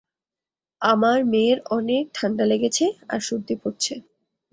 আমার মেয়ের অনেক ঠান্ডা লেগেছে আর সর্দি পরছে।